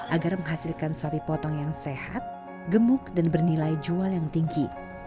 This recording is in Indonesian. agar menghasilkan sapi potong yang sehat gemuk dan bernilai jual yang tinggi